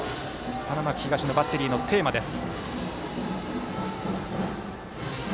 花巻東のバッテリーのテーマです。